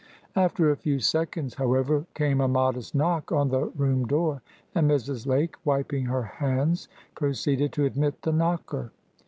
After a few seconds, however, came a modest knock on the room door, and Mrs. Lake, wiping her hands, proceeded to admit the knocker.